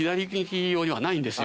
ないんですか。